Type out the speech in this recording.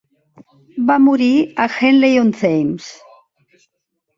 Va morir a Henley-on-Thames.